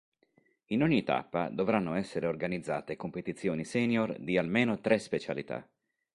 In ogni tappa dovranno essere organizzate competizioni senior di almeno tre specialità.